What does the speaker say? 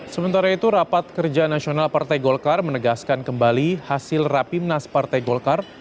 sementara itu rapat kerja nasional partai golkar menegaskan kembali hasil rapimnas partai golkar